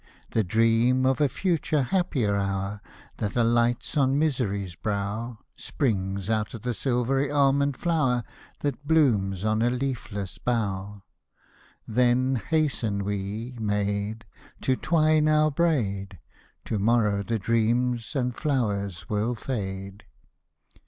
The dream of a future, happier hour, That alights on misery's brow, Springs out of the silvery almond flower, That blooms on a leafless bough. Then hasten we, maid. To twine our braid, To morrow the dreams and flowers will fade.